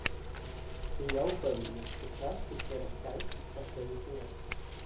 І я ўпэўнены, што час усё расставіць па сваіх месцах.